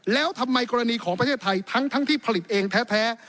แล้วทำไมกรณีของประเทศไทยทั้งที่ผลิตเองแท้